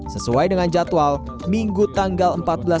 sesuai dengan jadwal minggu tanggal empat belas